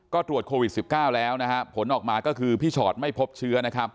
ก็ตรวจโควิด๑๙แล้วผลออกมาก็คือพี่ชอตไม่พบเชื้อ